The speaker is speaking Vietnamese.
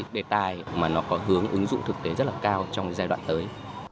đề tài mà nó có hướng ứng dụng thực tế rất là cao trong giai đoạn tới